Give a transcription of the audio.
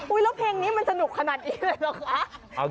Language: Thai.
แล้วเพลงนี้มันสนุกขนาดนี้เลยเหรอคะ